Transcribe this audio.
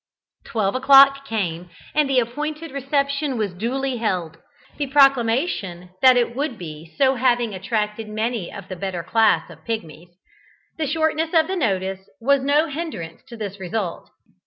Twelve o'clock came, and the appointed reception was duly held, the proclamation that it would be so having attracted many of the better class of Pigmies. The shortness of the notice was no hindrance to this result.